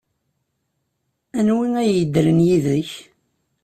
Anwi ay yeddren yid-k?